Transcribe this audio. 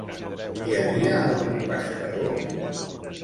Hi havia algun pescador?